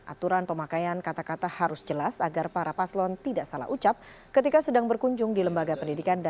aturan pemakaian kata kata harus jelas agar para paslon tidak salah ucap ketika sedang berkunjung di lembaga pendidikan